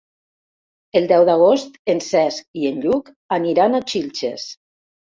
El deu d'agost en Cesc i en Lluc aniran a Xilxes.